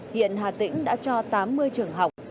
hiện hà tĩnh đã cho tám mươi trường học